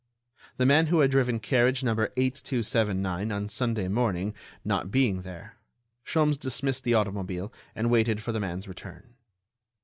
The man who had driven carriage number 8,279 on Sunday morning not being there, Sholmes dismissed the automobile and waited for the man's return.